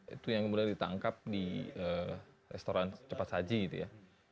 itu yang kemudian ditangkap di restoran cepat saji gitu ya